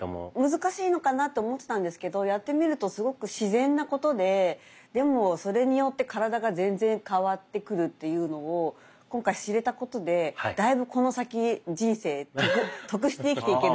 難しいのかなと思ってたんですけどやってみるとすごく自然なことででもそれによって体が全然変わってくるというのを今回知れたことでだいぶこの先人生得して生きていけるなというような気持ちになりますね。